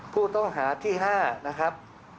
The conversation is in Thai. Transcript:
ผู้ต้องหาที่๕นะครับ